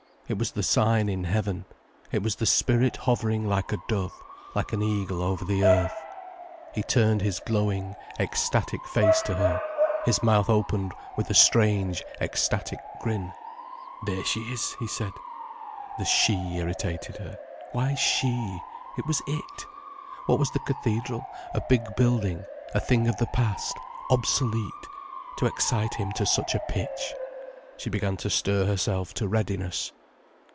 It was the sign in heaven, it was the Spirit hovering like a dove, like an eagle over the earth. He turned his glowing, ecstatic face to her, his mouth opened with a strange, ecstatic grin. "There she is," he said. The "she" irritated her. Why "she"? It was "it". What was the cathedral, a big building, a thing of the past, obsolete, to excite him to such a pitch? She began to stir herself to readiness.